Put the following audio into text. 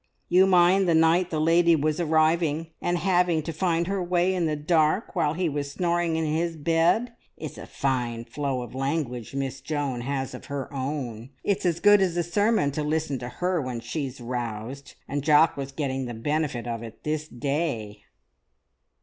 You mind the night the lady was arriving, and having to find her way in the dark while he was snoring in his bed? It's a fine flow of language Miss Joan has of her own. It's as good as a sermon to listen to her when she's roused, and Jock was getting the benefit of it this day!"